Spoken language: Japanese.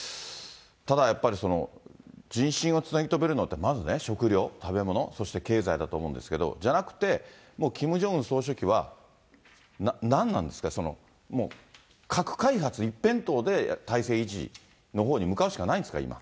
ただやっぱり、人心をつなぎとめるのはまずね、食料、食べ物、そして経済だと思うんですけど、じゃなくて、もうキム・ジョンウン総書記は、なんなんですか、もう核開発一辺倒で体制維持のほうに向かうしかないんですか、今。